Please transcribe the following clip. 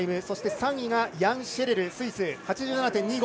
そして３位がヤン・シェレルスイス８７．２５。